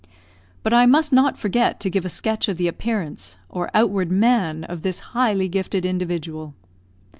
But I must not forget to give a sketch of the appearance, or outward man, of this highly gifted individual.